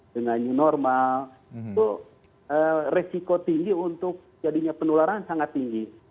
dengan new normal itu resiko tinggi untuk jadinya penularan sangat tinggi